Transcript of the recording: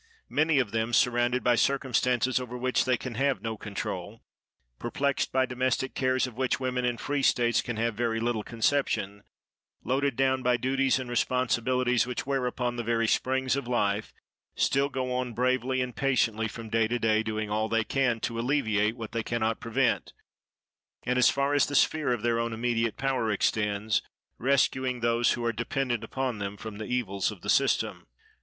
Many of them, surrounded by circumstances over which they can have no control, perplexed by domestic cares of which women in free states can have very little conception, loaded down by duties and responsibilities which wear upon the very springs of life, still go on bravely and patiently from day to day, doing all they can to alleviate what they cannot prevent, and, as far as the sphere of their own immediate power extends, rescuing those who are dependent upon them from the evils of the system.